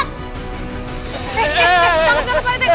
tenang tenang kali tangkep